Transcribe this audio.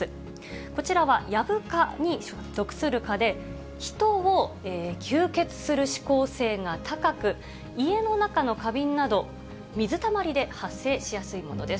こちらはヤブ蚊に属する蚊で、人を吸血するしこう性が高く、家の中の花瓶など、水たまりで発生しやすいものです。